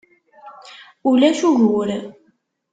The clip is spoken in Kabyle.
Ulac ugur.